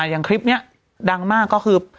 อย่างคลิปนี้ดังมากก็คือ